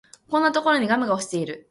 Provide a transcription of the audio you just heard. こんなところにガムが落ちてる